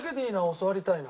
教わりたいな。